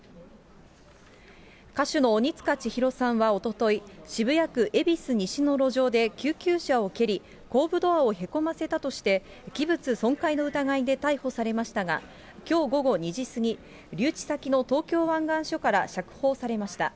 歌手の鬼束ちひろさんは、おととい、渋谷区恵比寿西の路上で救急車を蹴り、後部ドアをへこませたとして、器物損壊の疑いで逮捕されましたが、きょう午後２時過ぎ、留置先の東京湾岸署から釈放されました。